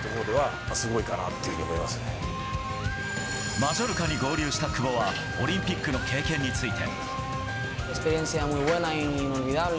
マジョルカに合流した久保はオリンピックの経験について。